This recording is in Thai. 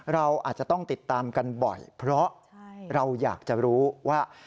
เราอาจจะต้องติดตามกันบ่อยเพราะเราอยากจะรู้ว่า